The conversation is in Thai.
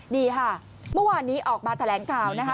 นี่ค่ะเมื่อวานนี้ออกมาแถลงข่าวนะคะ